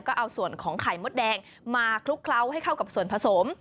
ก็เอาส่วนของไข่มดแดงมาคลุกเคล้าให้เข้ากับส่วนผสม